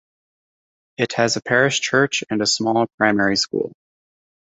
It has a parish church and a small primary school.